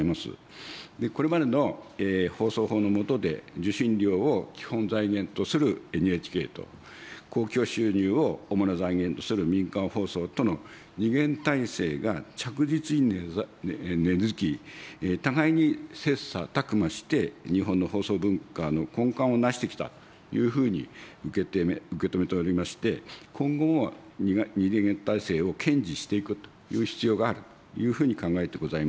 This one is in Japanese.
これまでの放送法の下で、受信料を基本財源とするＮＨＫと、広告収入を主な財源とする民間放送との二元体制が着実に根づき、互いに切さたく磨して、日本の放送文化の根幹をなしてきたというふうに受け止めておりまして、今後も二元体制を堅持していくという必要があるというふうに考えてございます。